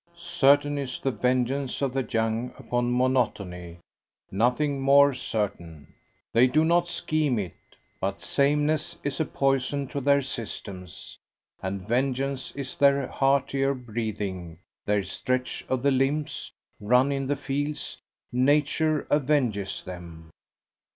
Certain is the vengeance of the young upon monotony; nothing more certain. They do not scheme it, but sameness is a poison to their systems; and vengeance is their heartier breathing, their stretch of the limbs, run in the fields; nature avenges them.